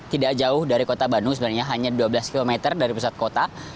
tidak jauh dari kota bandung sebenarnya hanya dua belas km dari pusat kota